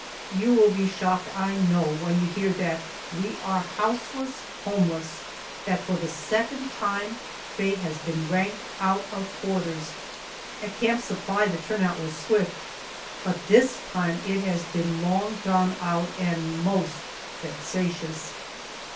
YOU will be shocked, I know, when you hear that we are houseless homeless that for the second time Faye has been ranked out of quarters! At Camp Supply the turn out was swift, but this time it has been long drawn out and most vexatious.